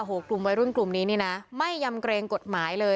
โอ้โหกลุ่มวัยรุ่นกลุ่มนี้นี่นะไม่ยำเกรงกฎหมายเลย